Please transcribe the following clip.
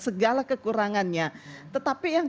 segala kekurangannya tetapi yang